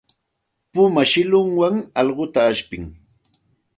Puma shillunwan allquta ashpin.